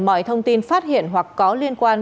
mọi thông tin phát hiện hoặc có liên quan